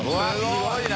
すごいな！